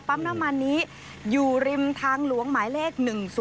ประมาณนี้อยู่ริมทางหลวงหมายเลข๑๐๘